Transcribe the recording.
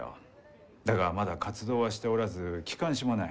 だがまだ活動はしておらず機関誌もない。